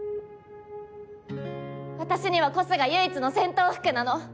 私にはコスが唯一の戦闘服なの！